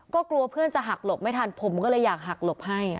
ก็กลัวเพื่อนจะหักหลบไม่ทันผมก็เลยอยากหักหลบให้